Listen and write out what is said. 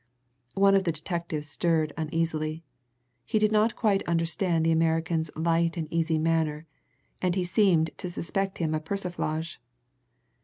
One of the detectives stirred uneasily he did not quite understand the American's light and easy manner, and he seemed to suspect him of persiflage.